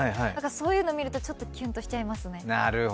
そういうのを見るとちょっとキュンとしちゃいますね。